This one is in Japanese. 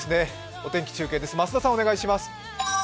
お天気中継です。